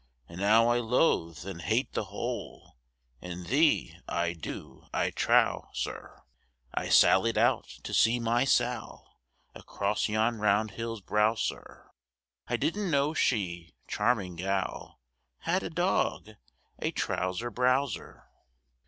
And now I loathe and hate the hole In thee, I do, I trow, sir. I sallied out to see my Sal, Across yon round hill's brow, sir; I didn't know she, charming gal, Had a dog, a trouser browser.